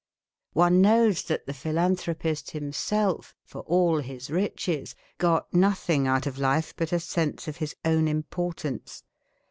One knows that the philanthropist himself, for all his riches, got nothing out of life but a sense of his own importance.